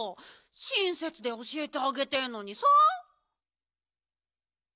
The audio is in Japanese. しんせつでおしえてあげてんのにさ。